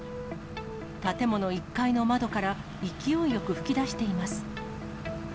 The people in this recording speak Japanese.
建物１階の窓から勢いよく噴き出しています。